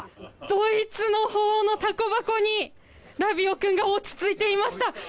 ドイツのほうのタコ箱にラビオ君が落ち着いていました。